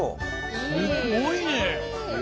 すごいね！